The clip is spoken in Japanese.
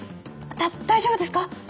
⁉だ大丈夫ですか？